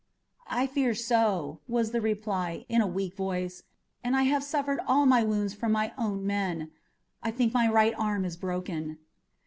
"I fear so," was the reply, in a weak voice, "and I have suffered all my wounds from my own men. I think my right arm is broken."